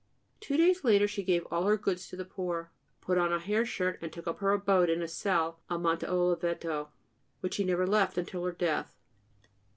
Two days later she gave all her goods to the poor, put on a hair shirt, and took up her abode in a cell on Monte Oliveto, which she never left until her death."